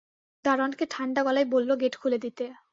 দারোয়ানকে ঠাণ্ডা গলায় বলল গেট খুলে দিতে।